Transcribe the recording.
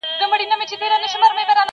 زما پر تور قسمت باندي باغوان راسره وژړل٫